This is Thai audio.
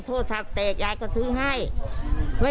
โทษทัพเตกยายก็ซื้อให้